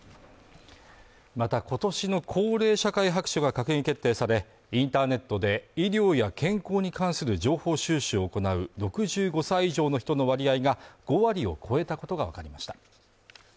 また今年の高齢社会白書が閣議決定され、インターネットで医療や健康に関する情報収集を行う６５歳以上の人の割合が５割を超えたことがわかりました。